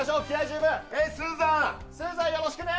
スーザン、よろしくね！